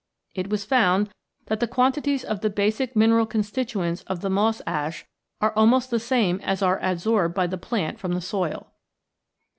It was found that the quantities of the basic mineral constituents of the moss ash are almost the same as are adsorbed by the plant from the soil.